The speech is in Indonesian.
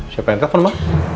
siapa yang telepon ma